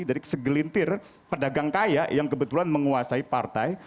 dari segelintir pedagang kaya yang kebetulan menguasai partai